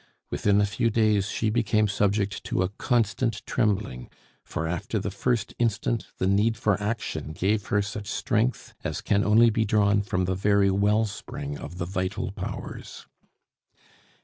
Within a few days she became subject to a constant trembling, for after the first instant the need for action gave her such strength as can only be drawn from the very wellspring of the vital powers.